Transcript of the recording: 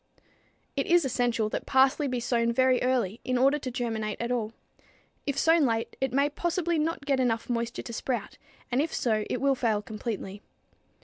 It is essential that parsley be sown very early in order to germinate at all. If sown late, it may possibly not get enough moisture to sprout, and if so it will fail completely.